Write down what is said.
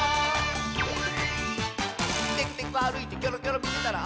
「テクテクあるいてキョロキョロみてたら」